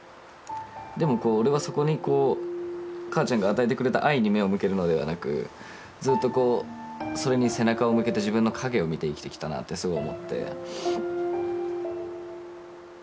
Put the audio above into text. でもこう俺はそこにこう母ちゃんが与えてくれた愛に目を向けるのではなくずっとこうそれに背中を向けて自分の影を見て生きてきたなってすごい思って。